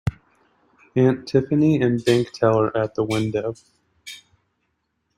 Aunt Tiffany and bank teller at the window.